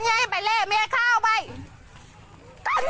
สวัสดีครับทุกคน